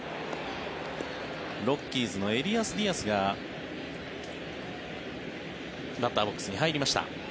ロッキーズのエリアス・ディアスがバッターボックスに入りました。